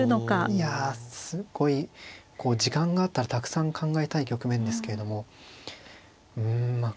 いやすごいこう時間があったらたくさん考えたい局面ですけれどもうんまあ